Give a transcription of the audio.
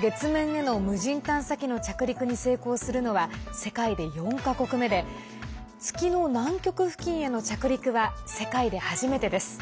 月面への無人探査機の着陸に成功するのは世界で４か国目で月の南極付近への着陸は世界で初めてです。